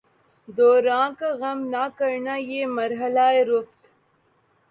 دوراں کا غم نہ کرنا، یہ مرحلہ ء رفعت